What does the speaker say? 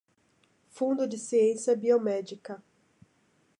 Fundo de ciência biomédica